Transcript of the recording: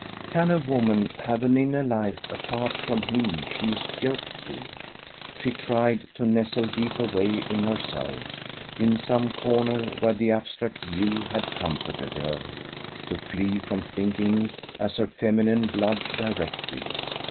Can a woman have an inner life apart from him she is yoked to? She tried to nestle deep away in herself: in some corner where the abstract view had comforted her, to flee from thinking as her feminine blood directed.